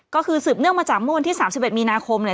ก็คือสืบเนื่องมาจากเมื่อวันที่๓๑มีนาคมเนี่ย